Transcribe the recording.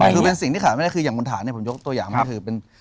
คือเป็นสิ่งที่ขาดไม่ได้คืออย่างคุณฐานเนี่ยผมยกตัวอย่างก็คือเป็น